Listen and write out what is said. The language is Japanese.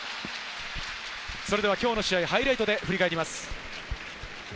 今日の試合をハイライトで振り返ります。